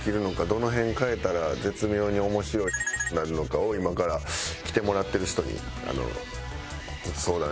どの辺変えたら絶妙に面白いになるのかを今から来てもらってる人に相談してやってみます。